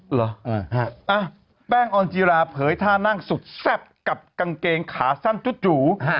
อ๋อครับแป้งออนจีลาเผยท่านั่งสุดสับกับกางเกงขาสั้นจูด